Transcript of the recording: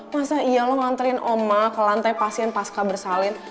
masa iya lo nganterin oma ke lantai pasien pasca bersalin